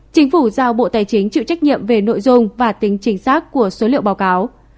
chính phủ giao bộ tài chính chịu trách nhiệm về nội dung và tính chính xác của số liệu báo cáo